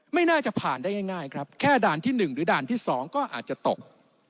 ไม่น่าจะผ่านได้ง่ายครับแค่ด่านที่๑หรือด่านที่๒ก็อาจจะตก